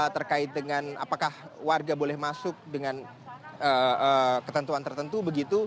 terkait dengan apakah warga boleh masuk dengan ketentuan tertentu begitu